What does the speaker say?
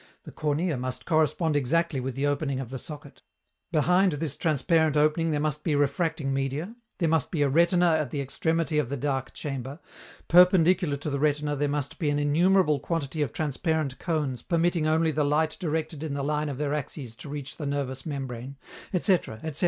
the cornea must correspond exactly with the opening of the socket;... behind this transparent opening there must be refracting media;... there must be a retina at the extremity of the dark chamber;... perpendicular to the retina there must be an innumerable quantity of transparent cones permitting only the light directed in the line of their axes to reach the nervous membrane," etc. etc.